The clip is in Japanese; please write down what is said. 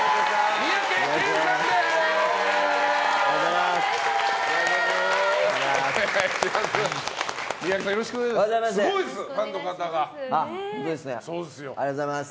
三宅さん、よろしくお願いします。